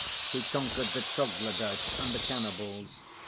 He conquered the Troglodytes and the cannibals.